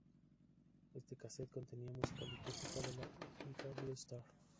Este cassette contenía música litúrgica de la Wicca Blue Star.